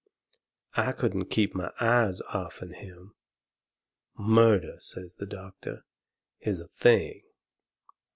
I couldn't keep my eyes off'n him. "Murder," says the doctor, "is a thing."